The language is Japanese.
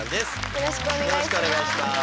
よろしくお願いします。